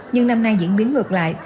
nhưng năm nay diễn biến ngược lại